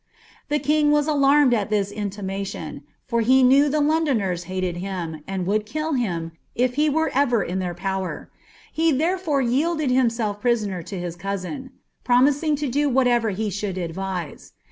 The king was alarmed at this intimation, for he knew tlie Loiukan hated him, and would kill him if he were ever iu their power ; bs k» fore yielded himself prisoner to bio cousin, promisii^ la do wiatmi he should advise.